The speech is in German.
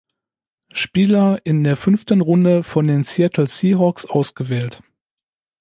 Spieler in der fünften Runde von den Seattle Seahawks ausgewählt.